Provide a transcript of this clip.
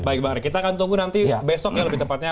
baik baik kita akan tunggu nanti besok ya lebih tepatnya